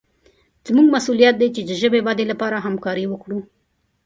زموږ مسوولیت دی چې د ژبې ودې لپاره همکاري وکړو.